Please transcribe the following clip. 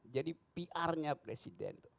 jadi pr nya presiden